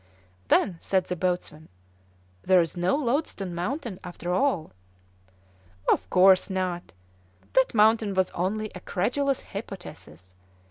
"Then," said the boatswain, "there's no loadstone mountain, after all." "Of course not; that mountain was only a credulous hypothesis.